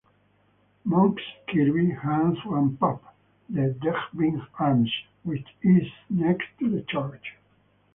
Monks Kirby has one pub, the "Denbigh Arms" which is next to the church.